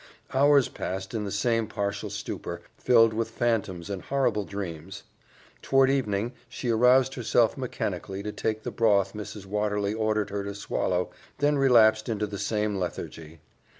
Hours passed in the same partial stupor, filled with phantoms and horrible dreams. Toward evening, she aroused herself mechanically to take the broth Mrs. Watterly ordered her to swallow, then relapsed into the same lethargy.